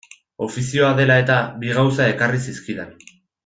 Ofizioa dela-eta, bi gauza ekarri zizkidan.